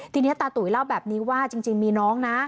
ทีนี้ตาตุ๋ยเล่าแบบนี้ว่าจริงมีน้องนะ